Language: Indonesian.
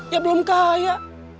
ya belum kaya